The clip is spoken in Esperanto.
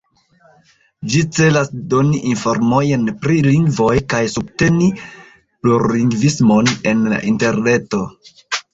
Ĝi celas doni informojn pri lingvoj kaj subteni plurlingvismon en la Interreto.